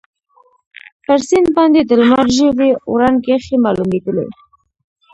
پر سیند باندي د لمر ژېړې وړانګې ښې معلومیدلې.